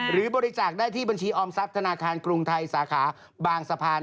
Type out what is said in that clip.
หรือบริจาคได้ที่บัญชีออมทรัพย์ธนาคารกรุงไทยสาขาบางสะพาน